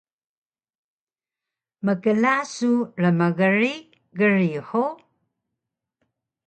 Mkla su rmgrig grig hug?